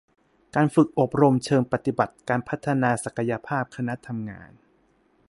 การฝึกอบรมเชิงปฏิบัติการพัฒนาศักยภาพคณะทำงาน